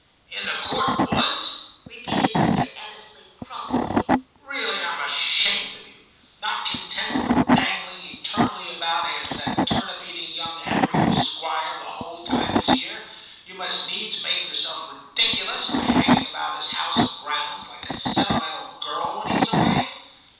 * In the Court woods,' repeated Mr. Ebbesley crossly; 'really I'm ashamed of you. Not content with dangling eternally 2l6 TIM CHAP. about after that turnip eating young embryo squire the whole time he's here, you must needs make yourself ridiculous by hanging about his house and grounds like a senti mental girl when he's away.'